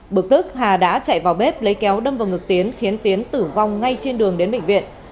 bực tức hà đã chạy vào bếp lấy kéo đâm vào ngực tiến khiến tiến tử vong ngay trên đường đến bệnh viện